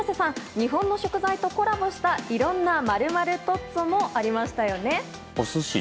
日本の食材とコラボしたいろんな○○トッツォもありましたよね。